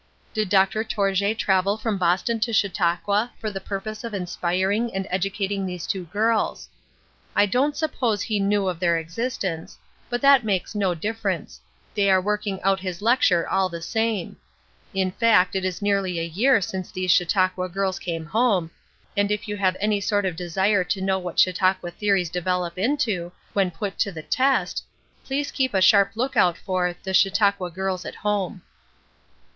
Did Dr. Tourjée travel from Boston to Chautauqua for the purpose of inspiring and educating these two girls. I don't suppose he knew of their existence, but that makes no difference, they are working out his lecture all the same; in fact it is nearly a year since these Chautauqua girls came home, and if you have any sort of desire to know what Chautauqua theories develop into, when put to the test, please keep a sharp lookout for "The Chautauqua Girls at Home."